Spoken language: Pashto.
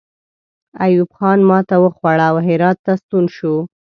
ایوب خان ماته وخوړه او هرات ته ستون شو.